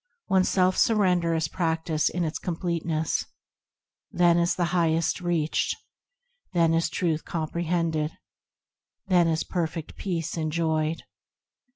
When self surrender is practised in its completeness. Then is the Highest reached, Then is Truth comprehened, Then is Perfect Peace enjoyed.